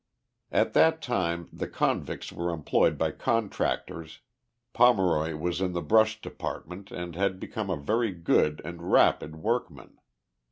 At that time the convicts were employed by contractors, Pomeroy was in the brush department and had become a very good and rapid workman.